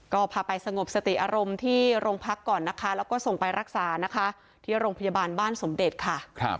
ก็พาไปสงบสติอารมณ์ที่โรงพักก่อนนะคะแล้วก็ส่งไปรักษานะคะที่โรงพยาบาลบ้านสมเด็จค่ะ